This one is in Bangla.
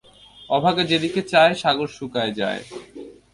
অভাগা যেদিকে চায়, সাগর শুকায়ে যায়।